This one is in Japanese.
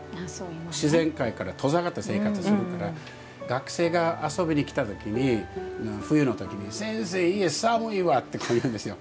自然界から遠ざかった生活をするから学生が遊びに来た時に冬のときに先生、家寒いわって言うんですよ。